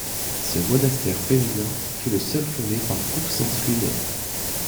Ce monastère féminin fut le seul fondé par Auxence lui-même.